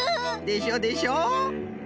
でしょでしょ。